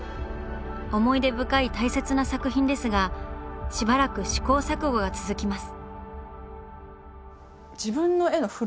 思い出深い大切な作品ですがしばらく試行錯誤が続きます。